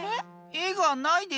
えがないですよ。